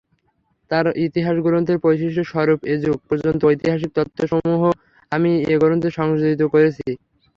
তার ইতিহাস গ্রন্থের পরিশিষ্ট স্বরূপ এযুগ পর্যন্ত ঐতিহাসিক তথ্যসমূহ আমি এ গ্রন্থে সংযোজিত করেছি।